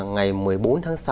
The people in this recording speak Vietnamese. ngày một mươi bốn tháng sáu